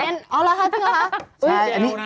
อ๋อรือฮะจริงหรือครับ